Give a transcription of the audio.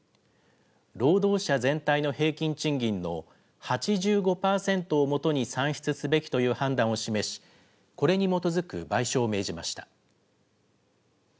労働者全体の平均賃金の８５％を基に算出すべきという判断を示し、これに基づく賠償を命じました。